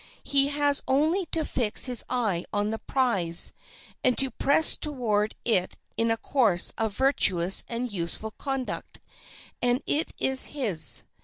He has only to fix his eye on the prize, and to press toward it in a course of virtuous and useful conduct, and it is his.